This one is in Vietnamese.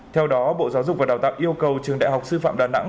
theo đó bộ giáo dục và đào tạo yêu cầu trường đại học sư phạm đà nẵng